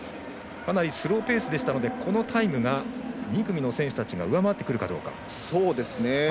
かなりスローペースでしたのでこのタイムを２組の選手たちが上回ってくるかどうか。